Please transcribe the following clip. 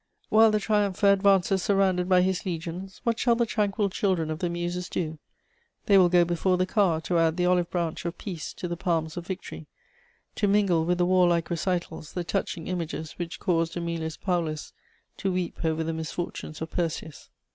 "While the triumpher advances surrounded by his legions, what shall the tranquil children of the Muses do? They will go before the car to add the olive branch of peace to the palms of victory, to mingle with the warlike recitals the touching images which caused Æmilius Paulus to weep over the misfortunes of Perseus.